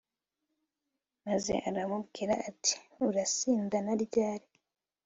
maze aramubwira ati urasinda na ryari